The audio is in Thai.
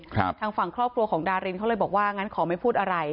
ทางฝั่งครอบครัวของดารินเขาเลยบอกว่างั้นขอไม่พูดอะไร